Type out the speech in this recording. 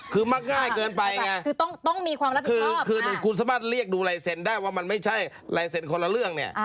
คือมักง่ายเกินไปไงคือคุณสามารถเรียกดูไลเซ็นต์ได้ว่ามันไม่ใช่ไลเซ็นต์คนละเรื่องเนี่ย